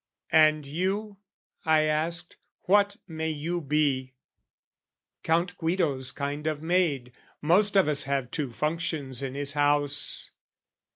"And you?" I asked: "What may you be?" "Count Guido's kind of maid "Most of us have two functions in his house.